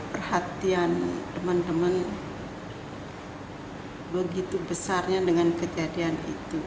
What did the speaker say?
perhatian teman teman begitu besarnya dengan kejadian itu